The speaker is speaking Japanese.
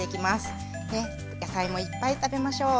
野菜もいっぱい食べましょう。